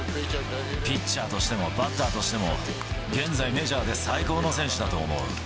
ピッチャーとしても、バッターとしても、現在メジャーで最高の選手だと思う。